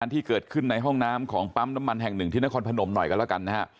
ที่เกิดขึ้นในห้องน้ำของปั๊มน้ำมันแห่งหนึ่งที่นครพนมหน่อยกันแล้วกันนะฮะ